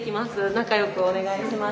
仲良くお願いします。